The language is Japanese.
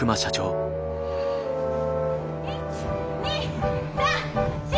１２３４。